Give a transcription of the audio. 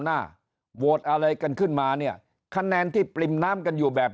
หน้าโหวตอะไรกันขึ้นมาเนี่ยคะแนนที่ปริ่มน้ำกันอยู่แบบ